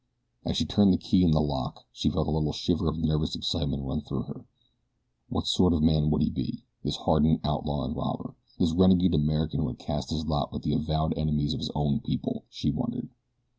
As she turned the key in the lock she felt a little shiver of nervous excitement run through her. "What sort of man would he be this hardened outlaw and robber this renegade American who had cast his lot with the avowed enemies of his own people?" she wondered.